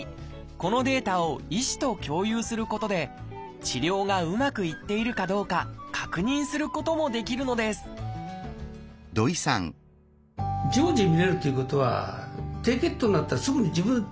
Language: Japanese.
このデータを医師と共有することで治療がうまくいっているかどうか確認することもできるのです土井さん